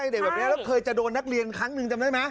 เด็กแบบนี้แล้วเคยจะโดนนักเรียนครั้งหนึ่งจำได้ไหม